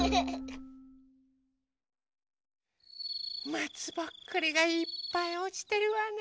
まつぼっくりがいっぱいおちてるわね。